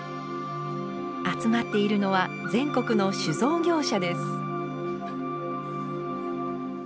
集まっているのは全国の酒造業者です。